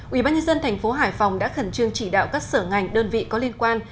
ủy ban nhân dân thành phố hải phòng đã khẩn trương chỉ đạo các sở ngành đơn vị có liên quan